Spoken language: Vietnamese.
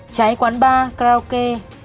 cháy quán bar karaoke